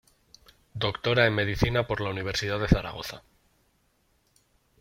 Doctora en medicina por la Universidad de Zaragoza.